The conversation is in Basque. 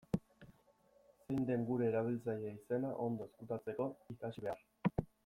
Zein den gure erabiltzaile-izena ondo ezkutatzeko, ikasi behar.